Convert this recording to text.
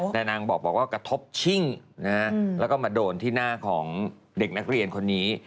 แต่นางบอกว่ากระทบชิ่งแล้วก็มาโดนที่หน้าของเด็กนักเรียนคนนี้